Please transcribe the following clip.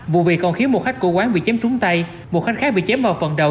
vụ việc còn khiến một khách của quán bị chém trúng tay một khách khác bị chém vào phần đầu